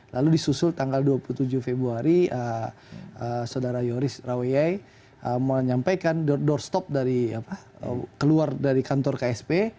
lalu disusul tanggal dua puluh tujuh februari saudara yoris rawe menyampaikan doorstop keluar dari kantor ksp